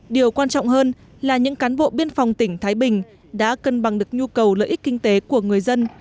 điều quan trọng hơn là những cán bộ biên phòng tỉnh thái bình đã cân bằng được nhu cầu lợi ích kinh tế của người dân